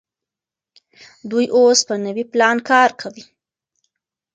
دوی اوس په نوي پلان کار کوي.